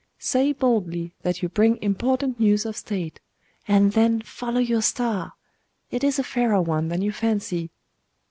Say boldly that you bring important news of state; and then follow your star: it is a fairer one than you fancy.